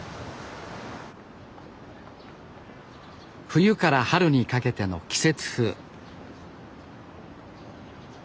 冬から春にかけての季節風。